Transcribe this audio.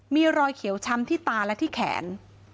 มีรอยเขียวช้ำที่ตาและที่แขน